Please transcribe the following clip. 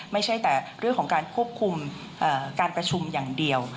ไม่ใช่แต่เรื่องของการควบคุมการประชุมอย่างเดียว